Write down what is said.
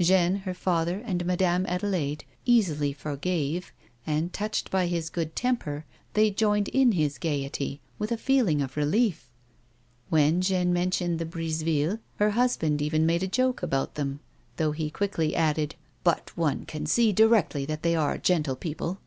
Jeanne, her father, and Madame Adelaide easily forgave, and, touched by his good temper, they joined in his gaiety with a feeling of relief. When Jeanne mentioned the Brisevilles, her husband even made a joke about them, though he quickly added :" But one can see directly that they are gentle people."